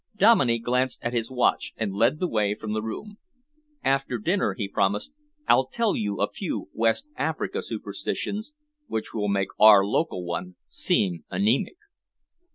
Dominey glanced at his watch and led the way from the room. "After dinner," he promised, "I'll tell you a few West African superstitions which will make our local one seem anemic."